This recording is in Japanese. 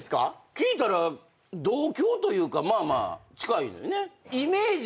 聞いたら同郷というかまあまあ近いのよね。